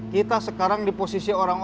kita sekarang di posisi orang